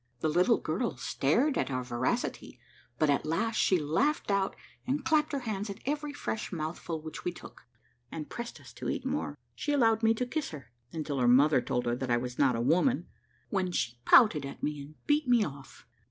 The little girl stared at our voracity; but at last she laughed out, and clapped her hands at every fresh mouthful which we took, and pressed us to eat more. She allowed me to kiss her, until her mother told her that I was not a woman, when she pouted at me, and beat me off.